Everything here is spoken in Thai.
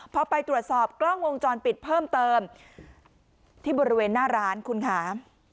พอไปตรวจสอบกล้องวงจรปิดเพิ่มเติมที่บริเวณหน้าร้านคุณค่ะ